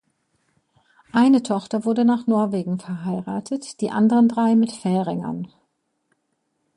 Eine Tochter wurde nach Norwegen verheiratet, die anderen drei mit Färingern.